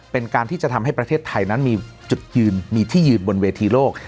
เป็นการที่จะทำให้ประเทศไทยนั้นมีจุดยืนมีที่ยืนบนเวทีโลก